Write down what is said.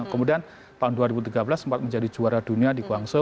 kemudian tahun dua ribu tiga belas sempat menjadi juara dunia di guangzhou